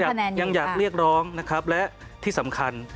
ยังอยากเรียกร้องนะครับและที่สำคัญ